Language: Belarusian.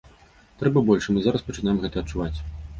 Трэба больш, і мы зараз пачынаем гэта адчуваць.